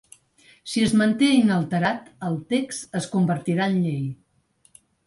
Si es manté inalterat, el text es convertirà en llei.